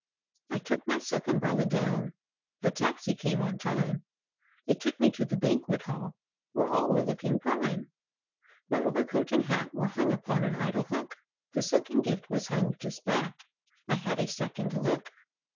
56 I took my silk umbrella down—the taxi came on time, It took me to the banquet hall where all were look¬ ing prime My overcoat and hat were hung upon an idle hook, The silken gift was hung just back—I had a second look.